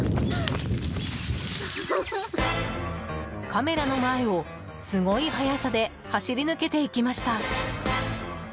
カメラの前を、すごい速さで走り抜けていきました。